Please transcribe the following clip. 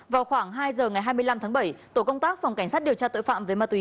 vào khoảng hai giờ ngày hai mươi năm tháng bảy tổ công tác phòng cảnh sát điều tra tội phạm về ma túy